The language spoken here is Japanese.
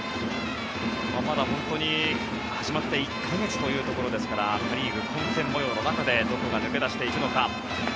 まだ始まって１か月というところですからパ・リーグ混戦模様の中でどこが抜け出していくのか。